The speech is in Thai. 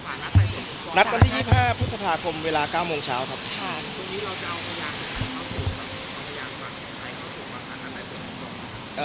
ตรงนี้เราจะเอาอย่างทุการต่ำพูดมาให้เขากลับมาเป็นอะไรบอก